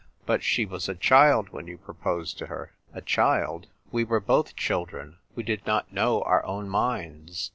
" But she was a child when you proposed to her !" "A child? We were both children. We did not know our own minds.